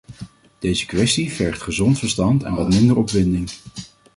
Deze kwestie vergt gezond verstand en wat minder opwinding.